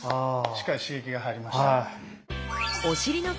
しっかり刺激が入りました。